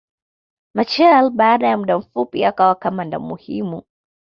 Machel baada ya muda mfupi akawa kamanda muhimu